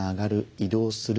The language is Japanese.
移動する。